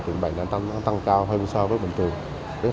thì bệnh này tăng cao hơn so với bình thường